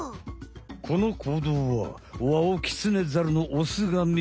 この行動はワオキツネザルのオスがみせるプロポーズ。